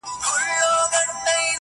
نو دغه نوري شپې بيا څه وكړمه.